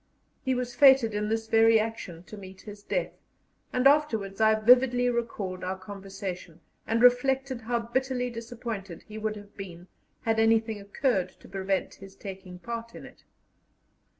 He was fated in this very action to meet his death, and afterwards I vividly recalled our conversation, and reflected how bitterly disappointed he would have been had anything occurred to prevent his taking part in it.